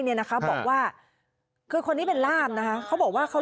เนี่ยนะคะบอกว่าคือคนนี้เป็นล่ามนะคะเขาบอกว่าเขา